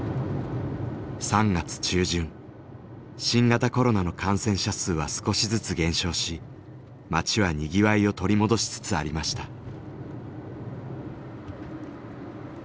新型コロナの感染者数は少しずつ減少し街はにぎわいを取り戻しつつありました。